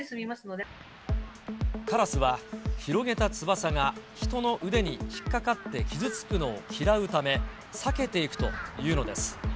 カラスは広げた翼が人の腕に引っ掛かって傷つくのを嫌うため、避けていくというのです。